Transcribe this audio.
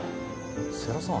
世良さん